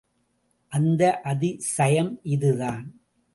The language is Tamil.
அந்த அதிசயம் இதுதான்.